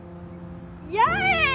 八重！